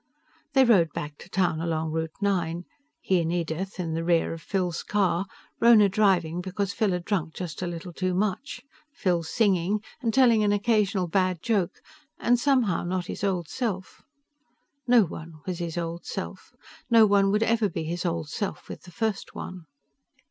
They rode back to town along Route Nine, he and Edith in the rear of Phil's car, Rhona driving because Phil had drunk just a little too much, Phil singing and telling an occasional bad joke, and somehow not his old self. No one was his old self. No one would ever be his old self with the First One.